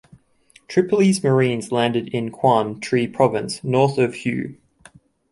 "Tripoli"'s Marines landed in Quang Tri province, north of Hue.